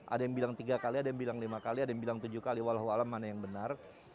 ada yang bilang tiga kali ada yang bilang lima kali ada yang bilang tujuh kali walau alam mana yang benar